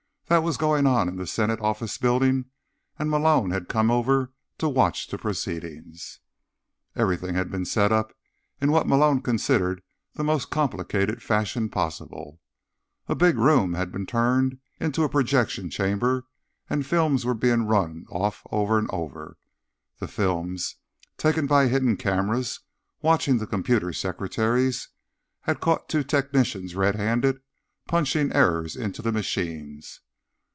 That was going on in the Senate Office Building, and Malone had come over to watch the proceedings. Everything had been set up in what Malone considered the most complicated fashion possible. A big room had been turned into a projection chamber, and films were being run off over and over. The films, taken by hidden cameras watching the computer secretaries, had caught two technicians red handed punching errors into the machines.